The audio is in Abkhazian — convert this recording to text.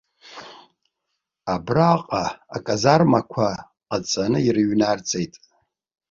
Абраҟа аказармақәа ҟаҵаны ирыҩнарҵеит.